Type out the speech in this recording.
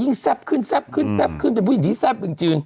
แซ่บขึ้นแซ่บขึ้นแซ่บขึ้นเป็นผู้หญิงที่แซ่บจริง